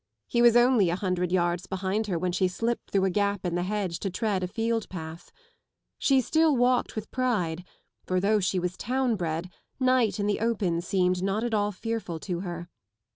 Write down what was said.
He was only a hundred yards behind her when she slipped through 3 gap in the hedge to tread a field path. She still walked with pride, for though she was town bred, night in the open seemed not at all fearful to her.